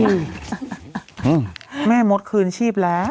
อื้อแม่มดคืนชีพแล้ว